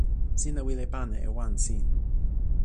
sina wile pana e wan sin.